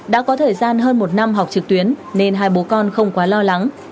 đã có thời gian hơn một năm học trực tuyến nên hai bố con không quá lo lắng